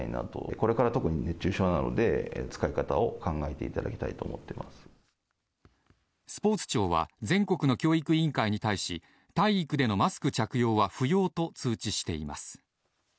これから特に熱中症なので、使い方を考えていただきたいと思スポーツ庁は、全国の教育委員会に対し、体育でのマスク着用は不要と通知しています。